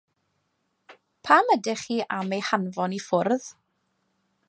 Pam ydych chi am ei hanfon i ffwrdd?